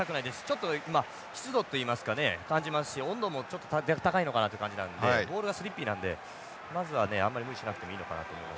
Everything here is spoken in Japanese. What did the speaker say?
ちょっと湿度といいますかね感じますし温度も高いのかなという感じなんでボールがスリッピーなのでまずはあまり無理しなくてもいいのかなと思いますね。